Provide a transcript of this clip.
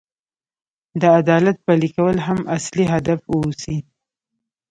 د عدالت پلي کول هم اصلي هدف واوسي.